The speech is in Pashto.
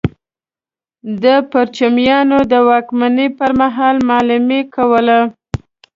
د پرچمیانو د واکمنۍ پر مهال معلمي کوله.